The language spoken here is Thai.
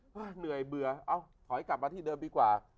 เหนื่อยเบื่อเอ้าถอยกลับมาที่เดิมดีกว่า